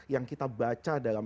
yang kita baca dalam